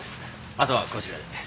あとはこちらで。